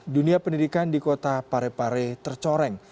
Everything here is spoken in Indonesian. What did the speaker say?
dunia pendidikan di kota parepare tercoreng